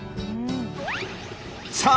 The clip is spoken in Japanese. さあ